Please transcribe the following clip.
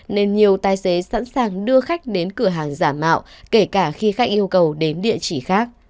nên nhiều tài xế sẵn sàng đưa khách đến cửa hàng giả mạo kể cả khi khách yêu cầu đến địa chỉ khác